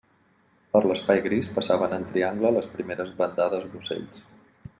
Per l'espai gris passaven en triangle les primeres bandades d'ocells.